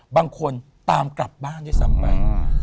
บางคนตามกลับบ้านด้วยซ้ำไป